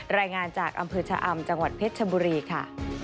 รายงานจากอำเภอชะอำจังหวัดเพชรชบุรีค่ะ